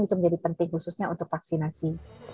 itu menjadi penting khususnya untuk vaksinasi